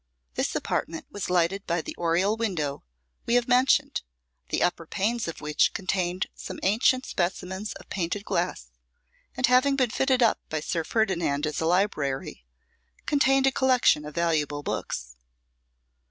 This apartment was lighted by the oriel window we have mentioned, the upper panes of which contained some ancient specimens of painted glass, and having been fitted up by Sir Ferdinand as a library, contained a collection of valuable books.